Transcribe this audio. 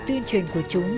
tuyên truyền của chúng